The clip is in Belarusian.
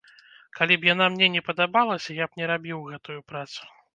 Калі б яна мне не падабалася, я б не рабіў гэтую працу.